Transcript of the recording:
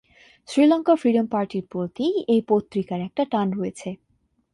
Sri Lanka freedom পার্টির প্রতি এই পত্রিকার একটা টান রয়েছে।